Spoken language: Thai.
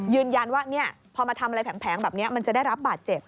ยืนยันว่าพอมาทำอะไรแผงแบบนี้มันจะได้รับบาดเจ็บ